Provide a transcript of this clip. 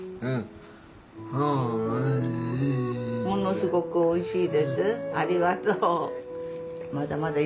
「ものすごくおいしいです」？